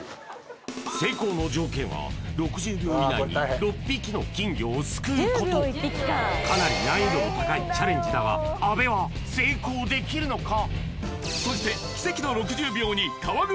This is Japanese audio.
成功の条件は６０秒以内に６匹の金魚をすくうことかなり難易度の高いチャレンジだが阿部は成功できるのか？